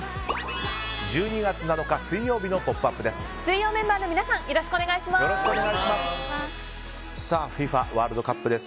１２月７日水曜日の「ポップＵＰ！」です。